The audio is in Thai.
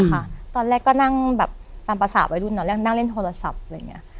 ตอนแรกก็นั่งแบบตามภาษาวัยรุ่นตอนแรกนั่งเล่นโทรศัพท์อะไรอย่างนี้